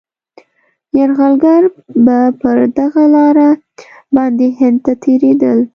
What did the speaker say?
یرغلګر به پر دغه لاره باندي هند ته تېرېدل.